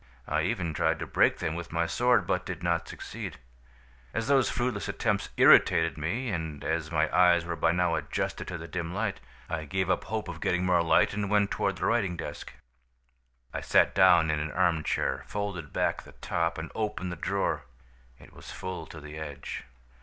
"I even tried to break them with my sword, but did not succeed. As those fruitless attempts irritated me, and as my eyes were by now adjusted to the dim light, I gave up hope of getting more light and went toward the writing desk. "I sat down in an arm chair, folded back the top, and opened the drawer. It was full to the edge.